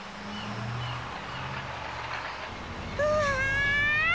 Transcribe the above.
うわ！